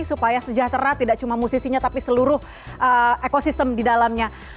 supaya sejahtera tidak cuma musisinya tapi seluruh ekosistem di dalamnya